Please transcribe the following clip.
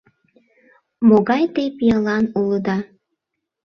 — Могай те пиалан улыда!